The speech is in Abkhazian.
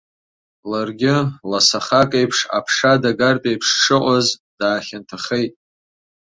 Ларгьы, ласахак аиԥш аԥша дагартә еиԥш дшыҟаз, даахьанҭахеит.